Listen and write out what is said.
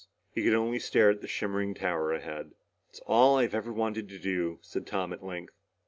He could only stare at the shimmering tower ahead. "It's all I've ever wanted to do," said Tom at length.